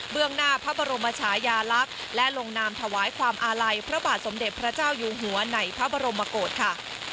หน้าพระบรมชายาลักษณ์และลงนามถวายความอาลัยพระบาทสมเด็จพระเจ้าอยู่หัวในพระบรมโกศค่ะ